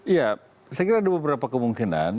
ya saya kira ada beberapa kemungkinan